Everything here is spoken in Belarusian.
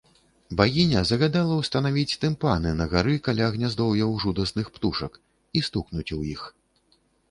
Багіня загадала ўстанавіць тымпаны на гары каля гняздоўяў жудасных птушак і стукнуць у іх.